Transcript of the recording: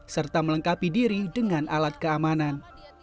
serta melengkapi diri dengan alat keamanan